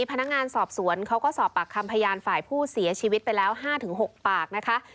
พนักงานสอบสวนเขาก็สอบปากคำพยานฝ่ายผู้เสียชีวิตไปแล้ว๕๖ปากนะคะ